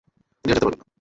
তিনি আর যেতে পারবেন না।